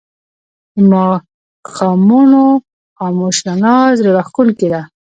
د ماښامونو خاموش رڼا زړه راښکونکې ده